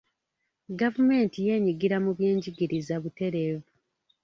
Gavumenti y'enyigira mu by'enjigiriza butereevu.